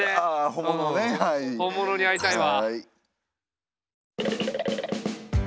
本物に会いたいわ。